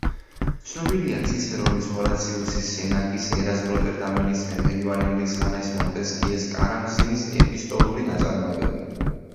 ცნობილია ციცერონის, ჰორაციუსის, სენეკას, ერაზმ როტერდამელის, მეფე ივანე მრისხანეს, მონტესკიეს, კარამზინის ეპისტოლური ნაწარმოებები.